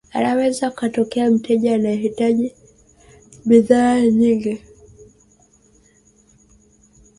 Anaweza akatokea mteja anayehitaji bidhaa nyingi